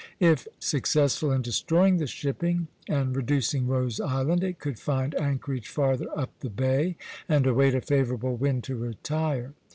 If successful in destroying the shipping and reducing Rose Island, it could find anchorage farther up the bay and await a favorable wind to retire.